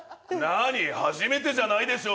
何、初めてじゃないでしょ？